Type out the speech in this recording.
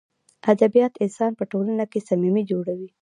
ادبیات انسان په ټولنه کښي صمیمي جوړوي.